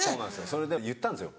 それで言ったんですよ